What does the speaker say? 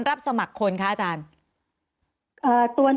รับสมัครคนคะอาจารย์